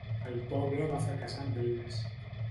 El poble va fracassar amb elles.